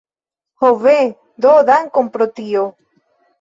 Ho ve, do dankon pro tio.